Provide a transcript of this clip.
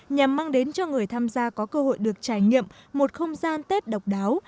nhằm mang đến cho người tham gia có cơ hội được trải nghiệm một không gian tết độc đáo